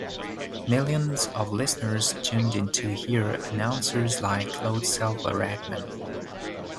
Millions of listeners tuned into hear announcers like Claude Selveratnam.